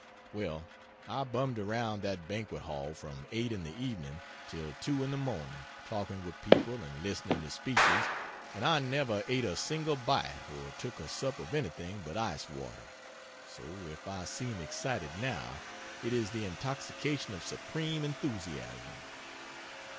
Well, I bummed around that banquet hall from 8 in the evening till 2 in the morning, talking with people and listening to speeches, and I never ate a single bite or took a sup of anything but ice water, so if I seem excited now, it is the intoxication of supreme enthusiasm.